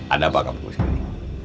ada apa kamu sendiri